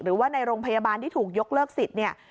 หรือว่าในโรงพยาบาลที่ถูกยกเลิกสิทธิ์เนี่ย